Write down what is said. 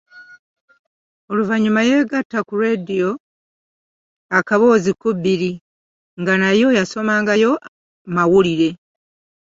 Oluvannyuma yeegatta ku leediyo Akaboozi ku bbiri nga nayo yasomangayo mawulire.